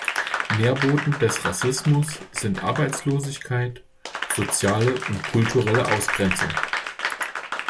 Nährboden des Rassismus sind Arbeitslosigkeit, soziale und kulturelle Ausgrenzung.